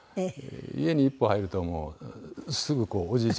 家に一歩入るともうすぐこうおじいちゃんになりますよ。